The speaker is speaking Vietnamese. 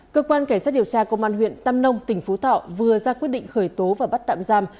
cơ quan cảnh sát điều tra công an huyện tam nông tỉnh phú thọ vừa ra quyết định khởi tố và bắt tạm giam